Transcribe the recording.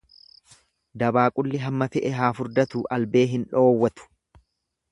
Dabaaqulli amma fe'e yaa furdatu albee hin dhoowwatu.